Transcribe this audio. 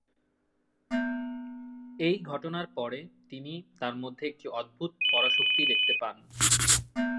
এই ঘটনার পরে তিনি তার মধ্যে একটি অদ্ভুত পরাশক্তি দেখতে পান।